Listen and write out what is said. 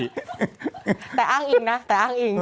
แต่อ้างอิงนะแต่อ้างอิง